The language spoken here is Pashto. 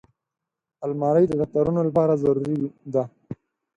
الماري د دفترونو لپاره ضروري ده